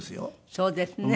そうですね。